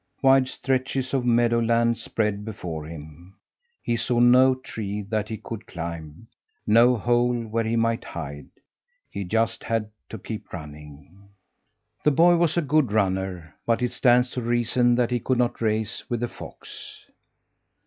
Wide stretches of meadow land spread before him. He saw no tree that he could climb, no hole where he might hide; he just had to keep running. The boy was a good runner, but it stands to reason that he could not race with a fox!